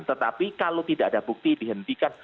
tetapi kalau tidak ada bukti dihentikan